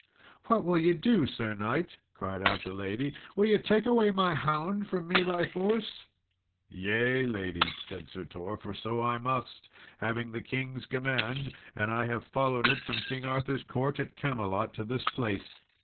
"What will ye do, Sir knight?" cried out the lady; "will ye take away my hound from me by force?" "Yea, lady," said Sir Tor; "for so I must, having the king's command; and I have followed it from King Arthur's court, at Camelot, to this place."